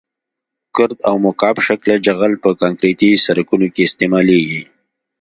ګرد او مکعب شکله جغل په کانکریټي سرکونو کې استعمالیږي